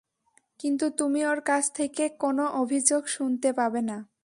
কিন্তু তুমি ওর কাছ থেকে কোনো অভিযোগ শুনতে পাবে না।